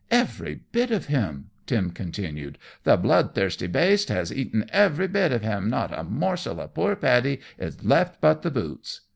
"Every bit of him," Tim continued. "The blood thirsty baste has eaten every bit of him. Not a morsel of poor Paddy is left but the boots."